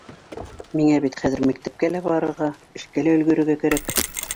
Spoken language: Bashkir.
Миңә бит хәҙер мәктәпкә лә барырға, эшкә лә өлгөрөргә кәрәк.